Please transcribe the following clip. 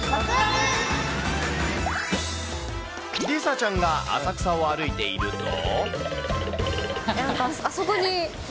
梨紗ちゃんが浅草を歩いていると。